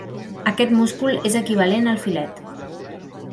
Aquest múscul és equivalent al filet.